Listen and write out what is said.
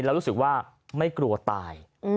แล้วรู้สึกว่าไม่กลัวตาย